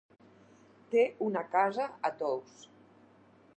Té una casa a Tous.